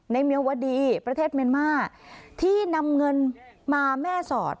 เมียวดีประเทศเมียนมาที่นำเงินมาแม่สอด